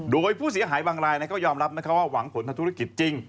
โดยผู้เสียหายบางรายก็ยอมรับว่าหวังผลทางธุรกิจจริง